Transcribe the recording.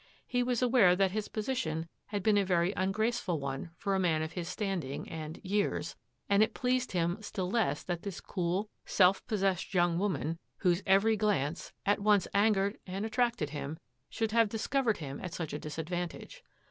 He was aware that his position had been a very ungrace ful one for a man of his standing and — years, and it pleased him still less that this cool, self possessed young woman, whose every glance at once angered and attracted him, should have discovered him at such a disadvantage.